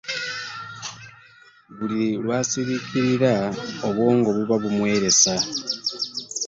Buli lw'asirikirira obwongo buba bumwesera